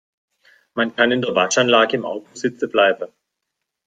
Man kann in der Waschanlage im Auto sitzen bleiben.